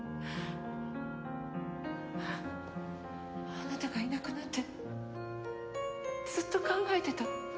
あなたがいなくなってずっと考えてた。